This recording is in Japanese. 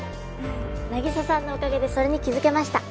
凪沙さんのおかげでそれに気づけました。